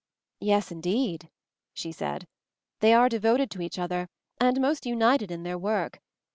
"Yes, indeed," she said. "They are devoted to each other, and most united in their work.